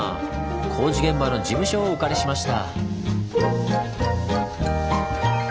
工事現場の事務所をお借りしました。